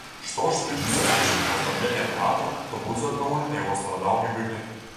Што ж тычыцца знешняга аздаблення тэатра, то будзе адноўлены яго старадаўні выгляд.